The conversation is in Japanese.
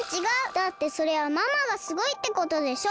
だってそれはママがすごいってことでしょ！